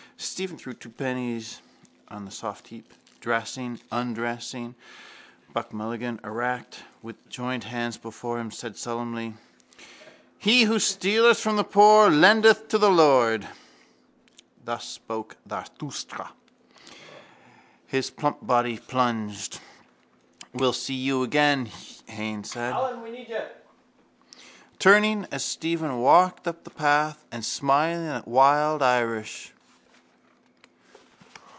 Stephen threw two pennies on the soft heap. Dressing, undressing. Buck Mulligan erect, with joined hands before him, said solemnly: —He who stealeth from the poor lendeth to the Lord. Thus spake Zarathustra. His plump body plunged. —We'll see you again, Haines said, turning as Stephen walked up the path and smiling at wild Irish.